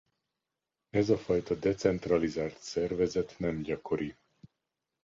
Ez a fajta decentralizált szervezet nem gyakori.